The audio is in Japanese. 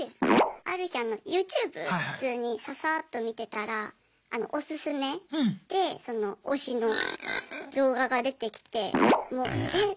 ある日ＹｏｕＴｕｂｅ普通にササーッと見てたらおすすめで推しの動画が出てきてえっ